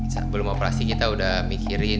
saat belum operasi kita udah mikirin